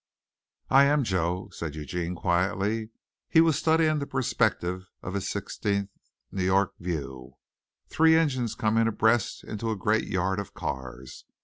"I am, Joe," said Eugene quietly. He was studying the perspective of his sixteenth New York view, three engines coming abreast into a great yard of cars.